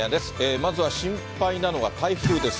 まずは心配なのは台風です。